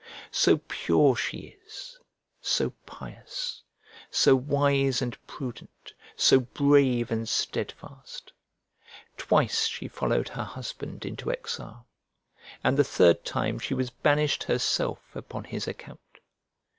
So pure she is, so pious, so wise and prudent, so brave and steadfast! Twice she followed her husband into exile, and the third time she was banished herself upon his account.